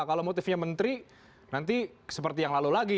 kalau motifnya menteri nanti seperti yang lalu lagi